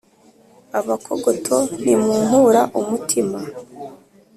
abakogoto ntimunkura umutima.